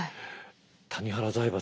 谷原財閥？